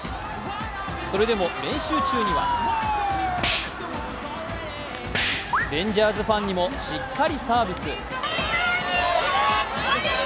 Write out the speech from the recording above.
それでも練習中にはレンジャーズファンにもしっかりサービス。